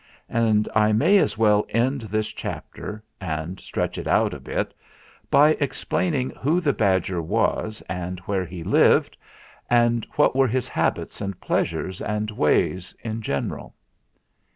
And I may as well end this chapter, and stretch it out a little, by explaining who the badger was, and where he lived, and what were his habits and pleasures and ways in gen eral.